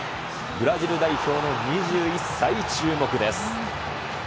ブラジル代表の２１歳、注目です。